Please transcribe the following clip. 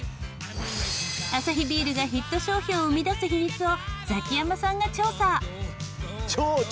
アサヒビールがヒット商品を生み出す秘密をザキヤマさんが調査。